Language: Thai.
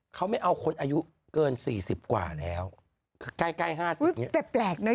เขาไม่เอาคนอายุเกินสี่สิบกว่าแล้วใกล้ใกล้ห้าสิบอย่างเงี้แต่แปลกนะ